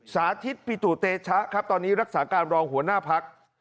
สาธิตปิตุเตชะครับตอนนี้รักษาการรองหัวหน้าพัก